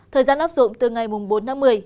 thời gian áp dụng từ ngày bốn tháng một mươi